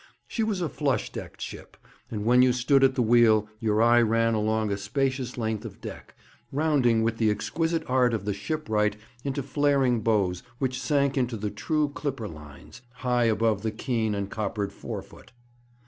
She was a flush decked ship, and when you stood at the wheel your eye ran along a spacious length of deck, rounding with the exquisite art of the shipwright into flaring bows which sank into the true clipper lines, high above the keen and coppered forefoot.